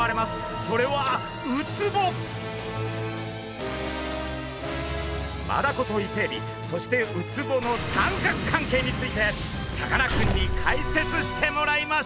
それはマダコとイセエビそしてウツボの三角関係についてさかなクンに解説してもらいましょう！